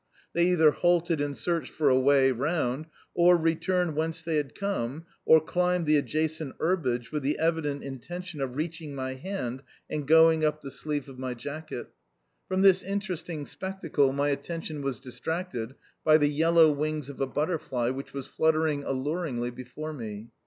They either halted and searched for a way round, or returned whence they had come, or climbed the adjacent herbage, with the evident intention of reaching my hand and going up the sleeve of my jacket. From this interesting spectacle my attention was distracted by the yellow wings of a butterfly which was fluttering alluringly before me.